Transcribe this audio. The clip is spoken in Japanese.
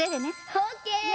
オーケー！